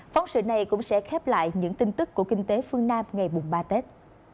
phóng sự này cũng sẽ khép lại những tin tức của kinh tế phương nam ngày ba tết